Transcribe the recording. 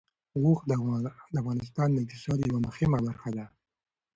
اوښ د افغانستان د اقتصاد یوه مهمه برخه ده.